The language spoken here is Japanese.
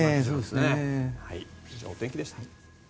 以上、お天気でした。